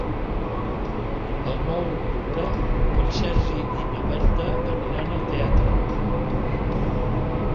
El nou d'octubre en Sergi i na Berta aniran al teatre.